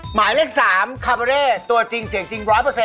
หมายเลข๓คาเบอร์เร่ตัวจริงเสียงจริง๑๐๐